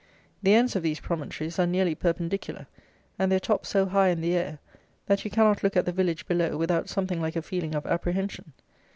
The ends of these promontories are nearly perpendicular, and their tops so high in the air, that you cannot look at the village below without something like a feeling of apprehension.